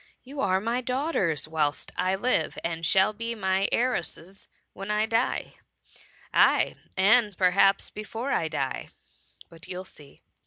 You are my daughters whilst I live, and shall be my heiresses when I die — ^aye, and perhaps before I die, but you'll see."